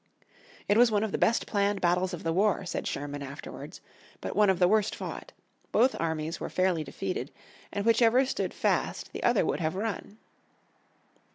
"It was one of the best planned battles of the war," said Sherman afterwards, "but one of the worst fought. Both armies were fairly defeated, and whichever stood fast the other would have run."